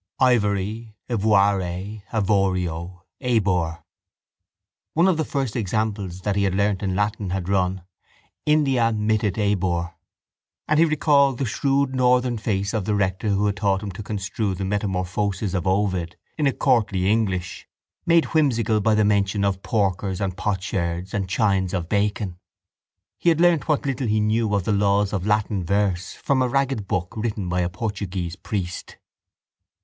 Ivory, ivoire, avorio, ebur. One of the first examples that he had learnt in Latin had run: India mittit ebur; and he recalled the shrewd northern face of the rector who had taught him to construe the Metamorphoses of Ovid in a courtly English, made whimsical by the mention of porkers and potsherds and chines of bacon. He had learnt what little he knew of the laws of Latin verse from a ragged book written by a Portuguese priest.